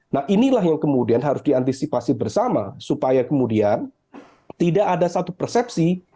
nah inilah yang kemudian harus diantisipasi bersama supaya kemudian tidak ada satu persepsi